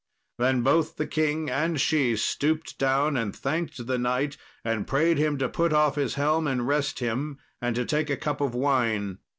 Then both the king and she stooped down, and thanked the knight, and prayed him to put off his helm and rest him, and to take a cup of wine.